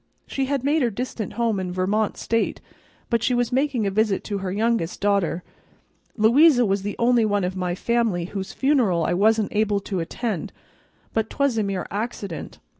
She had made her distant home in Vermont State, but she was making a visit to her youngest daughter. Louisa was the only one of my family whose funeral I wasn't able to attend, but 'twas a mere accident.